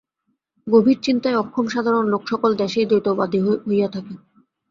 গভীর চিন্তায় অক্ষম সাধারণ লোক সকল দেশেই দ্বৈতবাদী হইয়া থাকে।